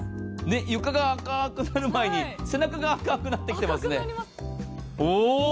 床が赤くなる前に背中が赤くなってきてますね。